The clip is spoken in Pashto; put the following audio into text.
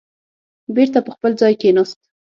بېرته په خپل ځای کېناست.